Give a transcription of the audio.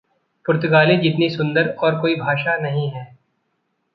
पुर्त्तगाली जितनी सुंदर और कोई भाषा नहीं है।